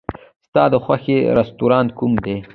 ستا د خوښې رستورانت کوم دی؟